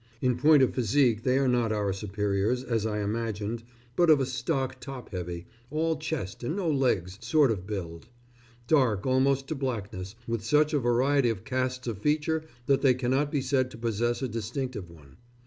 In point of physique they are not our superiors, as I imagined, but of a stock top heavy all chest and no legs sort of build; dark almost to blackness, with such a variety of casts of feature that they cannot be said to possess a distinctive one.